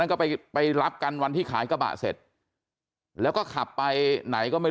ก็ไปไปรับกันวันที่ขายกระบะเสร็จแล้วก็ขับไปไหนก็ไม่